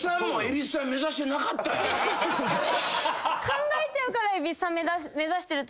考えちゃうから蛭子さん目指してるというか。